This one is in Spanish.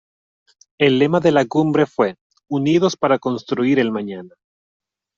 El lema de la cumbre fue "Unidos para construir el mañana".